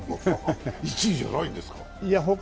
１位じゃないんですか？